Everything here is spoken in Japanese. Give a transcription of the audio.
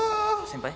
先輩！